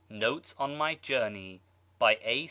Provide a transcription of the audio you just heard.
NOTES ON MY JOURNEY. BY A.